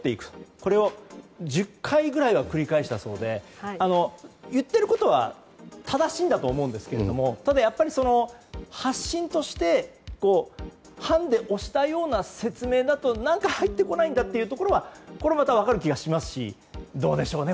これを１０回くらいは繰り返したそうで言っていることは正しいんだと思うんですがただ、発信として判で押したような説明だと何か入ってこないところはこれもまた分かるような気がしますしどうなりますかね。